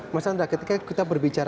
mas andra ketika kita berbicara